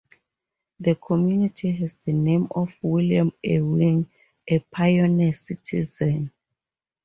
The community has the name of William Ewing, a pioneer citizen.